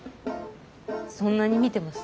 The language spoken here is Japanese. そんなに見てます？